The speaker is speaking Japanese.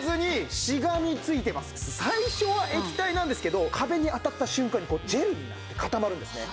最初は液体なんですけど壁に当たった瞬間にジェルになって固まるんですね。